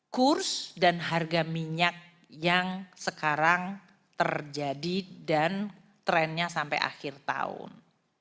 kurs dan harga minyak yang sekarang terjadi dan trennya sampai akhir tahun